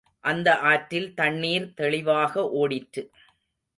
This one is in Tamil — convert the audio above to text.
அந்த ஆற்றில் தண்ணீர் தெளிவாக ஓடிற்று.